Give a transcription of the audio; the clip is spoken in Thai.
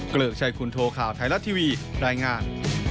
เกริกชัยคุณโทข่าวไทยรัฐทีวีรายงาน